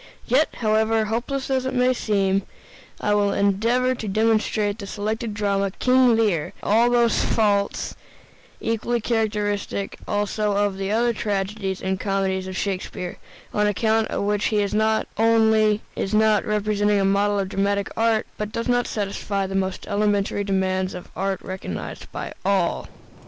Yet, however hopeless it may seem, I will endeavor to demonstrate in the selected drama "King Lear" all those faults equally characteristic also of all the other tragedies and comedies of Shakespeare, on account of which he not only is not representing a model of dramatic art, but does not satisfy the most elementary demands of art recognized by all.